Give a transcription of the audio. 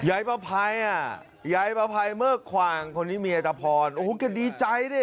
แช่ปะไพล่อ่ะแช่ปะไพล่เมอกควางคนตรีเมียตะพรอ่ะโอ้โหจะดีใจเน่